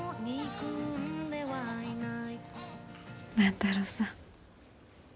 万太郎さん。